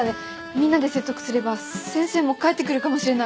みんなで説得すれば先生も帰ってくるかもしれない。